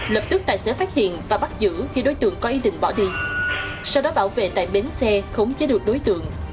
lập tức tài xế phát hiện và bắt giữ khi đối tượng có ý định bỏ đi sau đó bảo vệ tại bến xe khống chế được đối tượng